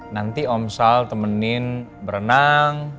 nanti om sal temenin berenang